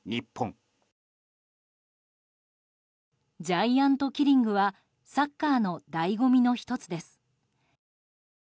ジャイアントキリングはサッカーの醍醐味の１つです。